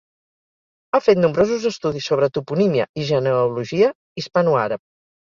Ha fet nombrosos estudis sobre toponímia i genealogia hispanoàrab.